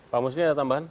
pak musni ada tambahan